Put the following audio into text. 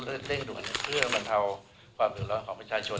เพื่อเร่งด่วนเพื่อบรรเทาความเดือดร้อนของประชาชน